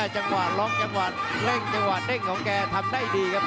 จังหวะล็อกจังหวะเร่งจังหวะเด้งของแกทำได้ดีครับ